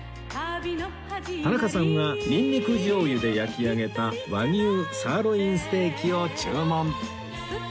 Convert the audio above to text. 田中さんはニンニク醤油で焼き上げた和牛サーロインステーキを注文